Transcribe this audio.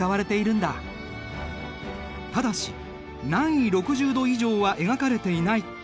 ただし南緯６０度以上は描かれていない。